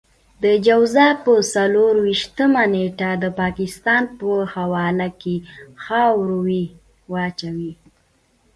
د جوزا په څلور وېشتمه نېټه د پاکستان په خوله کې خاورې واچوئ.